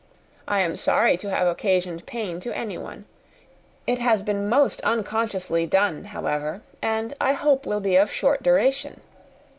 I am sorry to have occasioned pain to anyone. It has been most unconsciously done, however, and I hope will be of short duration.